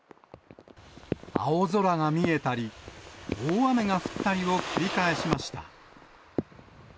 青空が見えたり、大雨が降ったりを繰り返しました。